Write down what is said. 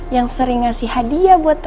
yang sering ngasih hadiah buat